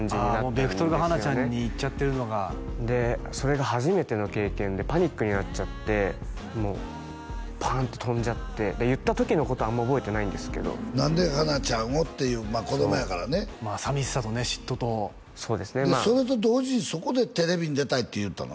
もうベクトルがハナちゃんに行っちゃってるのがでそれが初めての経験でパニックになっちゃってパンって飛んじゃって言った時のことはあんま覚えてないんですけど何でハナちゃんを？っていう子供やからね寂しさとね嫉妬とそうですねそれと同時にそこでテレビに出たいって言ったの？